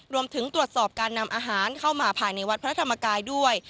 รวมถึงตรวจสอบการนำอาหารเข้ามาภายในวัดพระธรรมกายด้วย